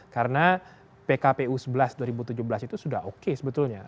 karena pkpu sebelas dua ribu tujuh belas itu sudah oke sebetulnya